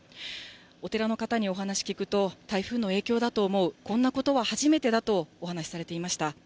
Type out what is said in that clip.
お寺の方にお話聞くと、台風の影響だと思う、こんなことは初めてだとお話しされていました。